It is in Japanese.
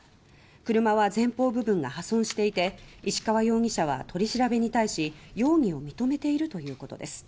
車は前方部分が破損していて石川容疑者は取り調べに対し容疑を認めているということです。